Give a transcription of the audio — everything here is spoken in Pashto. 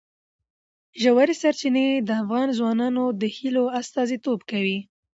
ژورې سرچینې د افغان ځوانانو د هیلو استازیتوب کوي.